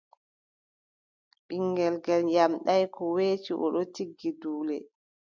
Ɓiŋngel ngeel nyamɗaay, ko weeti o ɗon tijja duule.